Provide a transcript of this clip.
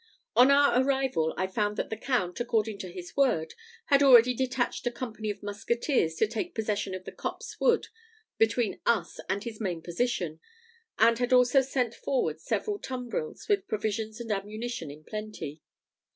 On our arrival, I found that the Count, according to his word, had already detached a company of musketeers to take possession of the copse wood between us and his main position; and had also sent forward several tumbrils with provisions and ammunition in plenty.